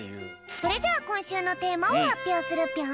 それじゃあこんしゅうのテーマをはっぴょうするぴょん。